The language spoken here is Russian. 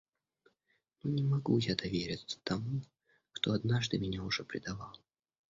Ну не могу я довериться тому, кто однажды меня уже предавал.